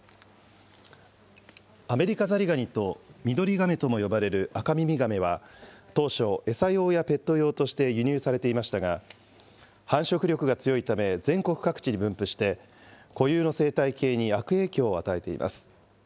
アメリカザリガニとミドリガメとも呼ばれるアカミミガメは当初、餌用やペット用として輸入されていましたが繁殖力が強いため全国各地に分布して固有の生態系に悪影響を与えています。